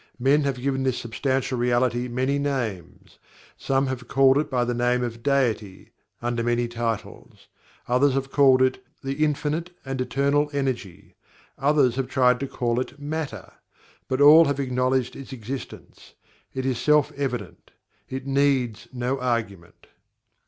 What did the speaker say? Men have given to this Substantial Reality many names some have called it by the term of Deity (under many titles). Others have called it "The Infinite and Eternal Energy" others have tried to call it "Matter" but all have acknowledged its existence. It is self evident it needs no argument.